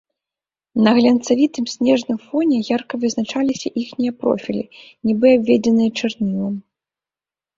На глянцавітым снежным фоне ярка вызначыліся іхнія профілі, нібы абведзеныя чарнілам.